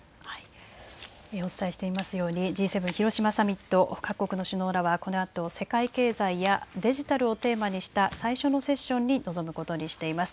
お伝えしていますようにＧ７広島サミット、各国の首脳らはこのあと世界経済やデジタルをテーマにした最初のセッションに臨むことにしています。